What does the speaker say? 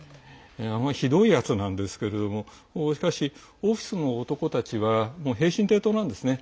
ひどいやつなんですけどしかし、オフィスの男たちは平身低頭なんですね。